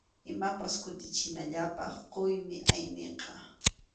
Imapas kutichinallapaq quymi ayniqa.